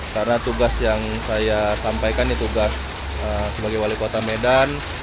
karena tugas yang saya sampaikan itu tugas sebagai wali kota medan